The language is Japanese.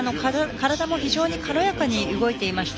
体も非常に軽やかに動いていました。